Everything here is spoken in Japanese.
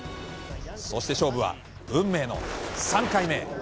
そして勝負は運命の３回目へ。